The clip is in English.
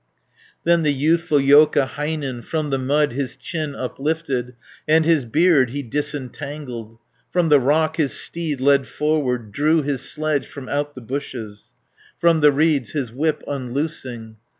Then the youthful Joukahainen From the mud his chin uplifted, And his beard he disentangled, From the rock his steed led forward, 480 Drew his sledge from out the bushes, From the reeds his whip unloosing.